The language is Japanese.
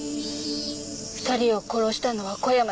２人を殺したのは小山だと。